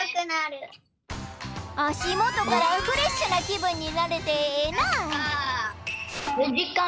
あしもとからフレッシュなきぶんになれてええな！